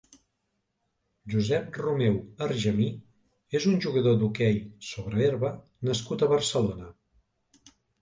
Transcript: Josep Romeu Argemí és un jugador d'hoquei sobre herba nascut a Barcelona.